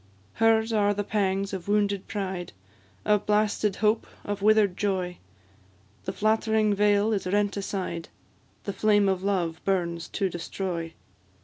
Hers are the pangs of wounded pride, Of blasted hope, of wither'd joy; The flattering veil is rent aside, The flame of love burns to destroy.